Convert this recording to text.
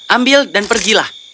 ambil dan pergilah